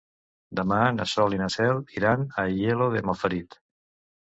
Demà na Sol i na Cel iran a Aielo de Malferit.